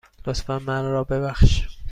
لطفاً من را ببخش.